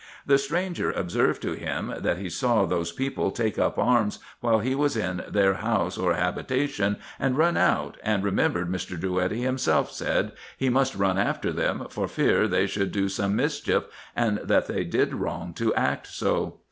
The stranger observed to him, that he saw those people take up arms, while he was in their house or habitation, and run out, and remembered Mr. Drouetti himself said, he must run after them, for fear they should do some mischief, and that they did wrong to act so.